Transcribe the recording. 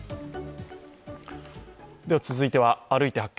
続いては「歩いて発見！